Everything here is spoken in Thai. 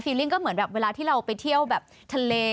ลิ่งก็เหมือนแบบเวลาที่เราไปเที่ยวแบบทะเล